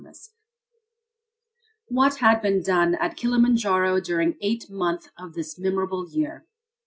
CHAPTER XVII.WHAT HAD BEEN DONE AT KILIMANJARO DURING EIGHT MONTH OF THIS MEMORABLE YEAR.